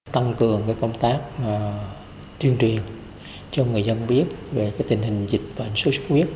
tăng cường công tác tuyên truyền cho người dân biết về tình hình dịch bệnh suốt huyết